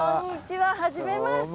はじめまして。